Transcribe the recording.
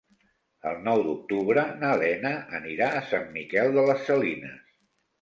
El nou d'octubre na Lena anirà a Sant Miquel de les Salines.